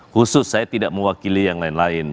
khusus saya tidak mewakili yang lain lain